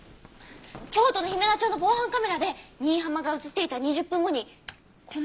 京都の姫菜町の防犯カメラで新浜が映っていた２０分後にこの人が。